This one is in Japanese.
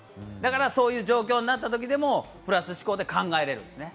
そういう状況になった時でもプラス思考で考えられるんです。